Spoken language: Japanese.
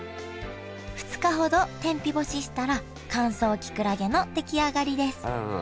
２日ほど天日干ししたら乾燥きくらげの出来上がりです